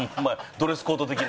ドレスコード的な？